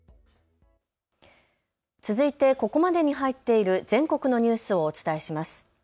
続いてここまでに入っている全国のニュースをお伝えします。